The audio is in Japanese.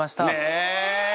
え！